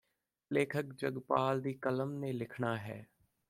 ਲੇਖਕ ਜਗਪਾਲ ਦੀ ਕਲਮ ਨੇ ਲਿਖਣਾ ਹੈ